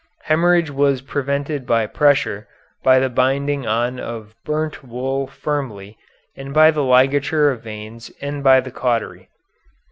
Hemorrhage was prevented by pressure, by the binding on of burnt wool firmly, and by the ligature of veins and by the cautery.